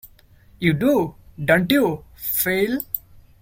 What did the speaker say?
You do, don't you, Phil?